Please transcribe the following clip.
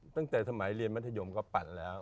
ตั้งแต่สมัยเรียนมัธยมก็ปั่นแล้ว